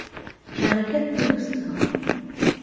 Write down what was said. کارەکەت دروستە